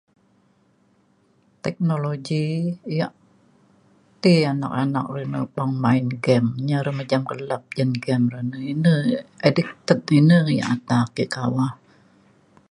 teknologi yak ti anak anak re ne peng main game nyi ari kelap jin game re. ine addicted ine yak ata ke kawah